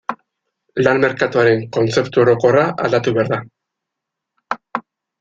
Lan merkatuaren kontzeptu orokorra aldatu behar da.